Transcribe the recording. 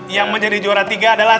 yang menjadi juara tiga adalah